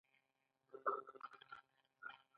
پانګه هغه پیسې دي چې اضافي ارزښت له ځان سره راوړي